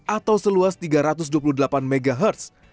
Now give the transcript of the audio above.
atau seluas tiga ratus dua puluh delapan mhz